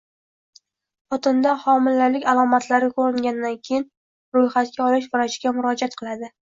Xotinda homilalik alomatlari ko‘ringandan keyin ro‘yxatga olish vrachiga murojaat qiladi